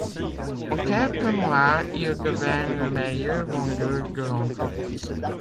En quelques mois, il devint le meilleur vendeur de l'entreprise.